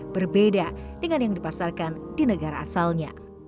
berbeda dengan yang dipasarkan di negara asalnya